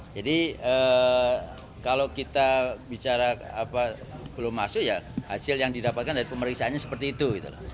jadi kalau kita bicara belum masuk ya hasil yang didapatkan dari pemeriksaannya seperti itu